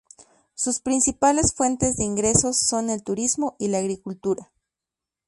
Sus principales fuentes de ingresos son el turismo y la agricultura.